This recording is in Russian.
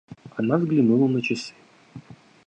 Она взглянула на часы.